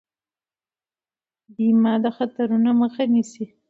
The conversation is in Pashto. بیمه د خطرونو مخه نیسي.